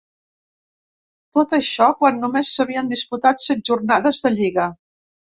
Tot això, quan només s’havien disputat set jornades de lliga.